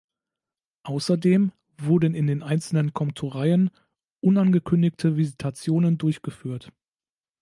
Außerdem wurden in den einzelnen Komtureien unangekündigte Visitationen durchgeführt.